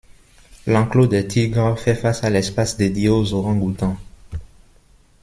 L'enclos des tigres fait face à l'espace dédié aux orangs-outans.